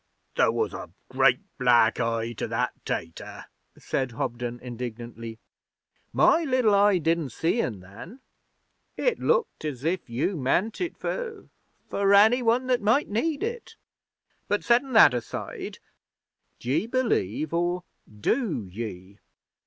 'There was a great black eye to that tater,' said Hobden indignantly. 'My liddle eye didn't see un, then. It looked as if you meant it for for Any One that might need it. But settin' that aside, d'ye believe or do ye?'